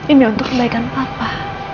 ini untuk kebaikan papa